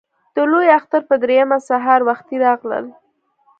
د لوی اختر په درېیمه سهار وختي راغلل.